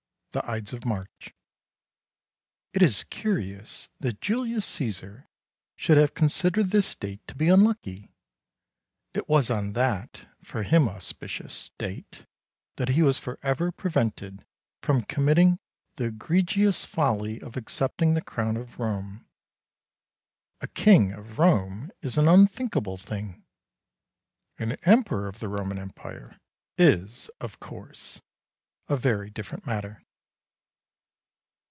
The Ides of March_. It is curious that Julius Cæsar should have considered this date to be unlucky! It was on that for him auspicious date that he was for ever prevented from committing the egregious folly of accepting the crown of Rome. A king of Rome is an unthinkable thing! An emperor of the Roman Empire is, of course, a very different matter.